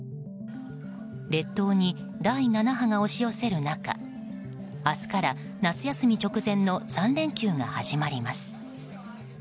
列島に第７波が押し寄せる中明日から夏休み直前の３連休が始まります。